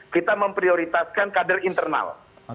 kita memprioritaskan kader internal